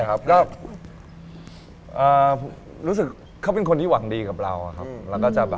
ว่ากูยังพูดไม่จบ